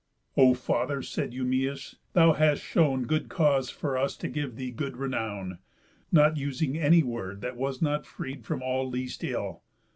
"O father," said Eumæus "thou hast shown Good cause for us to give thee good renown, Not using any word that was not freed From all least ill.